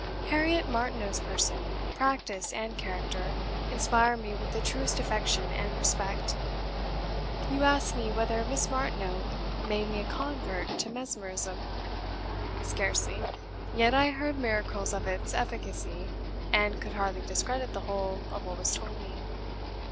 Harriet Martineau's person, practice, and character, inspire me with the truest affection and respect."You ask me whether Miss Martineau made me a convert to mesmerism? Scarcely; yet I heard miracles of its efficacy, and could hardly discredit the whole of what was told me.